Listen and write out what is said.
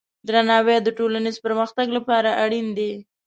درناوی د ټولنیز پرمختګ لپاره اړین دی.